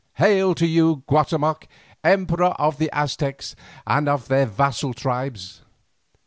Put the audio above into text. Hail to you, Guatemoc, Emperor of the Aztecs and of their vassal tribes."